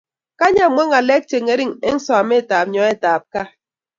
Kany amwaa ngalek chengering eng sometab nyoetab kaat